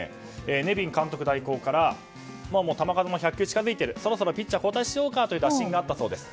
ネビン監督代行から球数１００球近づいてるそろそろピッチャー交代しようかという打診があったそうです。